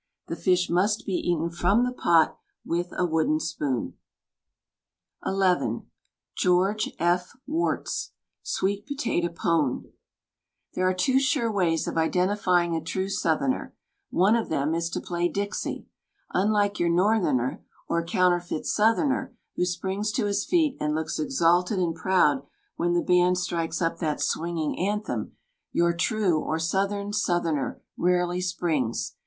The fish must be eaten from the pot with a wooden spoon. WRIT'TEN FOR MEN BY MEN XI George F. JV^orts SWEET POTATO PONE There are two sure ways of identifying a true south erner. One of them is to play "Dixie." Unliice your northerner, or counterfeit southerner who springs to his feet and looks exalted and proud when the band strikes up that swinging anthem, your true, or southern south erner rarely springs.